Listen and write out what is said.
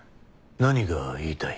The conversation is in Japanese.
何が言いたい？